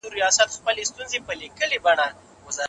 د ځوانانو پارلمان په ازمایښتي توګه جوړ سوی و.